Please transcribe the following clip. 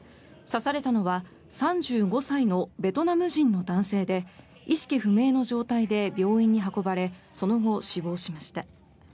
刺されたのは３５歳のベトナム人の男性で意識不明の状態で病院に運ばれその後、死亡しました。